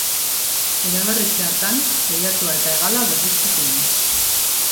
Eraberritze hartan, teilatua eta hegala berriztu ziren.